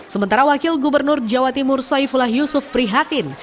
sementara wakil gubernur jawa timur saifullah yusuf prihatin